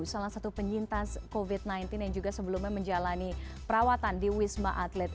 salah satu penyintas covid sembilan belas yang juga sebelumnya menjalani perawatan di wisma atlet